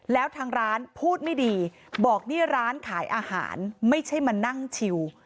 แล้วทางร้านพูดไม่ดีบอกนี่ร้านขายอาหารไม่ใช่มานั่งชิว